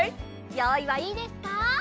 よういはいいですか？